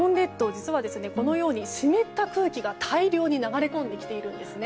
実はこのように湿った空気が大量に流れ込んできているんですね。